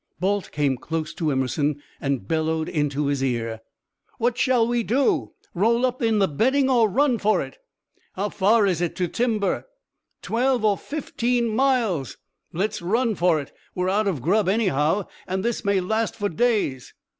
Balt came close to Emerson, and bellowed into his ear: "What shall we do? Roll up in the bedding or run for it?" "How far is it to timber?" "Twelve or fifteen miles." "Let's run for it! We're out of grub, anyhow, and this may last for days."